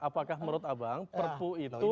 apakah menurut abang perpu itu